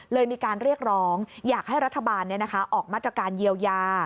เลยมีการเรียกร้องอยากให้รัฐบาลออกมาตรการเยียวยา